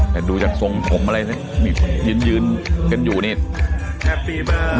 แต่ดูจากทรงทมอะไรมีคนยืนยืนเกินอยู่นี่